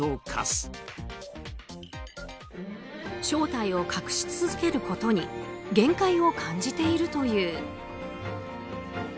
正体を隠し続けることに限界を感じているという。